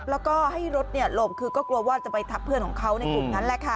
แล้วก็ให้รถหล่มคือก็กลัวว่าจะไปทับเพื่อนของเขาในกลุ่มนั้นแหละค่ะ